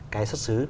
cái xuất xứ